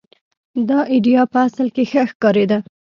دا اېډیا په اصل کې ښه ښکارېده.